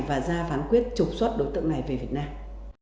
và ra phán quyết trục xuất đối tượng này về việt nam